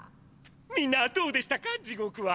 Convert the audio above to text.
みんなどうでしたか地獄は？